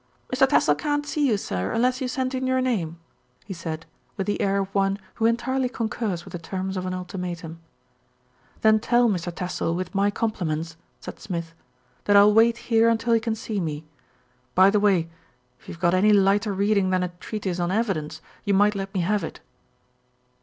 "Mr. Tassell can't see you, sir, unless you send in your name," he said, with the air of one who entirely concurs with the terms of an ultimatum. "Then tell Mr. Tassell, with my compliments," said Smith, "that I'll wait here until he can see me. By the way, if you've got any lighter reading than a treatise on evidence, you might let me have it."